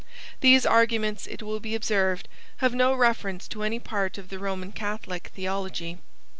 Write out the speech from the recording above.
These arguments, it will be observed, have no reference to any part of the Roman Catholic theology.